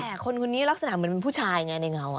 แต่คนคนนี้ลักษณะเหมือนเป็นผู้ชายไงในเงา